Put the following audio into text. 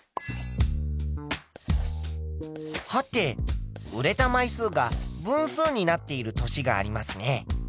はて売れた枚数が分数になっている年がありますね。